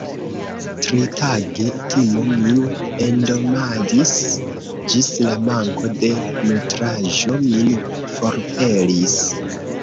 Tritage, timo min endomadis, ĝis la manko de nutraĵo min forpelis.